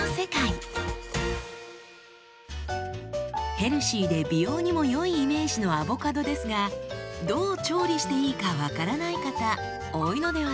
ヘルシーで美容にも良いイメージのアボカドですがどう調理していいか分からない方多いのではないでしょうか？